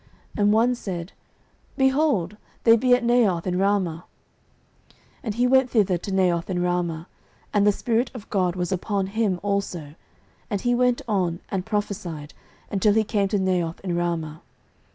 And one said, Behold, they be at Naioth in Ramah. 09:019:023 And he went thither to Naioth in Ramah: and the Spirit of God was upon him also, and he went on, and prophesied, until he came to Naioth in Ramah.